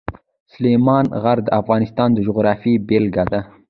سلیمان غر د افغانستان د جغرافیې بېلګه ده.